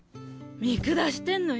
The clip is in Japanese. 見下してんのよ